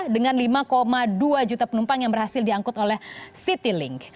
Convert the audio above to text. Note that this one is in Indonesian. dengan lima dua juta penumpang yang berhasil diangkut oleh citylink